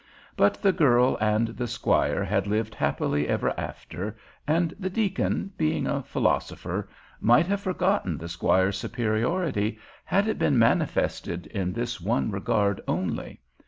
But the girl and the squire had lived happily ever after and the deacon, being a philosopher, might have forgotten the squire's superiority had it been manifested in this one regard only.